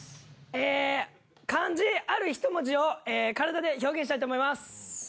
え漢字ある１文字を体で表現したいと思います。